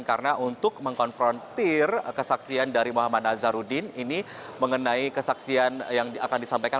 karena untuk mengkonfrontir kesaksian dari muhammad nazaruddin ini mengenai kesaksian yang akan disampaikan